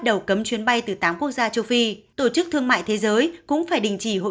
đầu cấm chuyến bay từ tám quốc gia châu phi tổ chức thương mại thế giới cũng phải đình chỉ hỗ